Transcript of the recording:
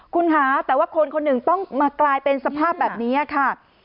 คุณค่ะแต่ว่าคนคนหนึ่งต้องมากลายเป็นสภาพแบบนี้ค่ะ